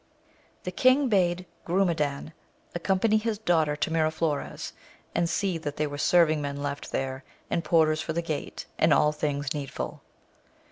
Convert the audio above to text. The king bade Grumedan accompany his daughter to Miraflores, and see that there were serving men left there, and porters for the gate, and all things needful.